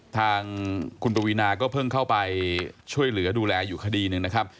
ทางคุณปวีนาก็เพิ่งเข้าไปช่วยเหลือดูแลอยู่คดีหนึ่งนะครับ